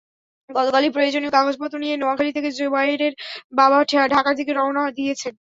গতকালই প্রয়োজনীয় কাগজপত্র নিয়ে নোয়াখালী থেকে জোবায়েরের বাবা ঢাকার দিকে রওনা দিয়েছেন।